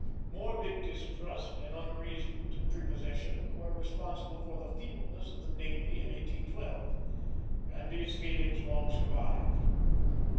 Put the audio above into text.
Morbid distrust and unreasoned prepossession were responsible for the feebleness of the navy in 1812, and these feelings long survived.